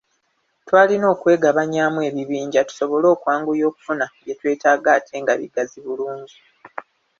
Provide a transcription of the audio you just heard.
Twalina okwegabanyaamu ebibinja tusobole okwanguya okufuna bye twetaaga ate nga bigazi bulungi.